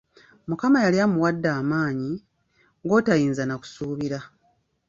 Mukama yali amuwadde amaanyi, gotayinza na kusuubira.